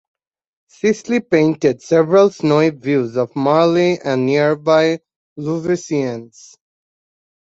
Sisley painted several snowy views of Marly and nearby Louveciennes.